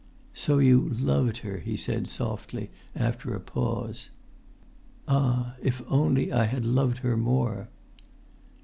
"So you loved her," he said softly, after a pause. "Ah! if only I had loved her more!"